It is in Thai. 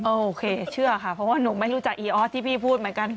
โอเคเชื่อค่ะเพราะว่าหนูไม่รู้จักอีออสที่พี่พูดเหมือนกัน